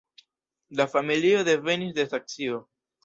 La familio devenis de Saksio.